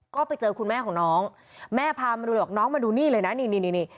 ก็ไปเจอคุณแม่ของน้องแม่พามาดูเลยบอกน้องมาดูนี่เลยนะนี่นี่